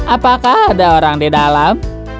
apakah ada orang di dalam